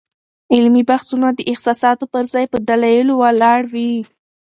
علمي بحثونه د احساساتو پر ځای په دلایلو ولاړ وي.